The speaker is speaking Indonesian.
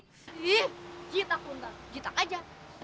gita pun tak gitu aja